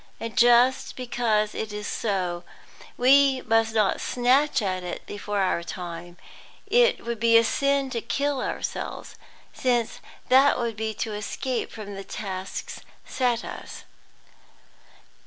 And just because it is so, we must not snatch at it before our time; it would be a sin to kill ourselves, since that would be to escape from the tasks set us.